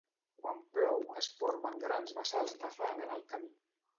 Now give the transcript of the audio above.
Quan plou, es formen grans bassals de fang en el camí.